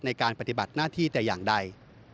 ในการปฏิบัติหน้าที่แต่อย่างใด